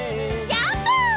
ジャンプ！